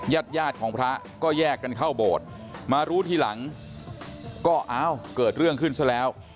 ญาติญาติของพระก็แยกกันเข้าโบสถ์มารู้ทีหลังก็อ้าวเกิดเรื่องขึ้นซะแล้ว